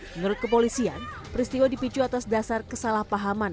menurut kepolisian peristiwa dipicu atas dasar kesalahpahaman